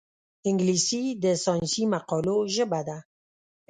انګلیسي د ساینسي مقالو ژبه ده